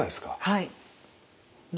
はい。